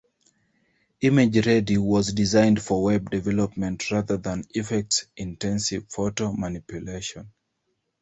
ImageReady was designed for web development rather than effects-intensive photo manipulation.